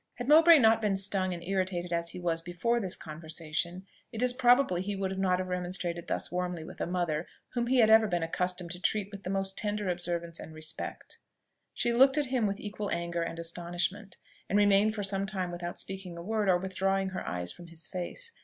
Had Mowbray not been stung and irritated as he was before this conversation, it is probable he would not have remonstrated thus warmly with a mother, whom he had ever been accustomed to treat with the most tender observance and respect. She looked at him with equal anger and astonishment, and remained for some time without speaking a word, or withdrawing her eyes from his face.